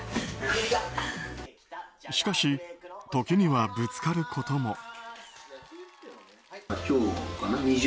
しかし時にはぶつかることも。